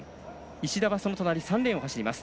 石田はその隣３レーンを走ります。